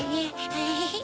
エヘヘ。